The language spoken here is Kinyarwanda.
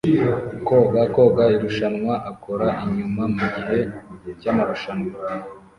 Koga koga irushanwa akora inyuma mugihe cyamarushanwa